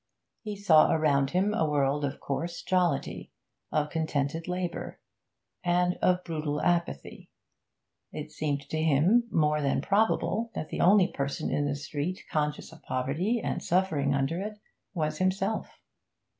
He saw around him a world of coarse jollity, of contented labour, and of brutal apathy. It seemed to him more than probable that the only person in this street conscious of poverty, and suffering under it, was himself.